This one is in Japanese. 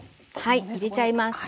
はい入れちゃいます。